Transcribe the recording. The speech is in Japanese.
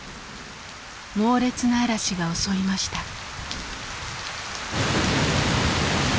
猛烈な嵐が襲いました。